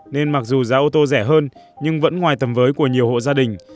nên mặc dù giá ô tô rẻ hơn nhưng vẫn ngoài tầm với của nhiều hộ gia đình